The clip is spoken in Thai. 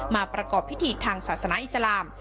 มาประกอบพิธีทางศาสนาอิสลาม